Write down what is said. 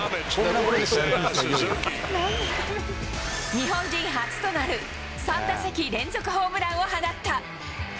日本人初となる、３打席連続ホームランを放った。